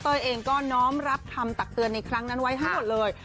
เองก็น้อมรับคำตักเตือนในครั้งนั้นไว้ทั้งหมดเลย